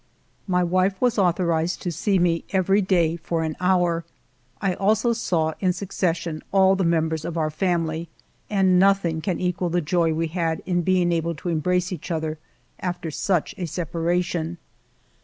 My wife was authorized to see me every day for an hour. I also saw in succession all the members of our family ; and nothing can equal the jov we had in being able to embrace each other after such a separation.